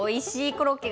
コロッケ！